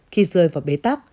khi rơi vào bế tắc